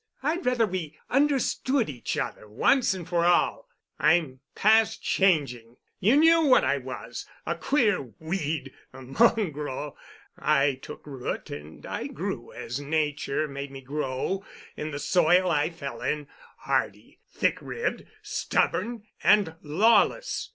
I'd rather we understood each other once and for all. I'm past changing. You knew what I was—a queer weed, a mongrel. I took root and I grew as Nature made me grow, in the soil I fell in, hardy, thick ribbed, stubborn, and lawless.